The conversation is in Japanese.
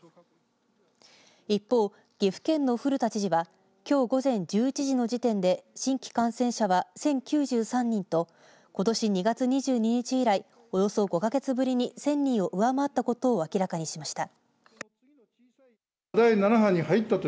一方、岐阜県の古田知事はきょう午前１１時の時点で新規感染者は１０９３人とことし２月２２日以来およそ５か月ぶりに１０００人を上回ったことを明らかにしました。